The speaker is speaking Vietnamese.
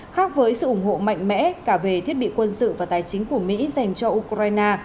khác với sự ủng hộ mạnh mẽ cả về thiết bị quân sự và tài chính của mỹ dành cho ukraine